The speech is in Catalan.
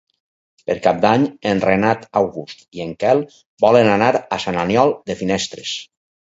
Per Cap d'Any en Renat August i en Quel volen anar a Sant Aniol de Finestres.